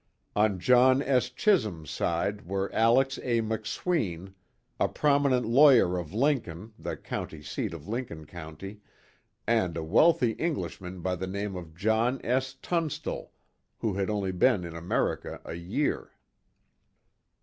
On John S. Chisum's side were Alex A. McSween, a prominent lawyer of Lincoln the County seat of Lincoln County and a wealthy Englishman by the name of John S. Tunstall, who had only been in America a year.